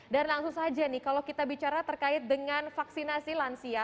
dan langsung saja nih kalau kita bicara terkait dengan vaksinasi lansia